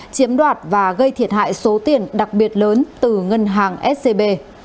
chiếm đoạt và gây thiệt hại số tiền đặc biệt lớn từ ngân hàng scb